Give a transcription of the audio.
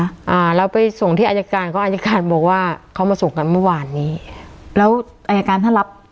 อ่าแล้วไปส่งที่อายการก็อายการบอกว่าเขามาส่งกันเมื่อวานนี้แล้วอายการถ้ารับ